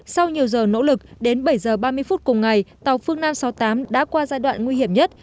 sau nhiều giờ nỗ lực đến bảy h ba mươi phút cùng ngày tàu phương nam sáu mươi tám đã qua giai đoạn nguy hiểm nhất